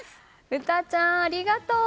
詠ちゃん、ありがとう！